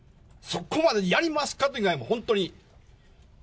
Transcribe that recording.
そこまでやりますかという以外に、本当に。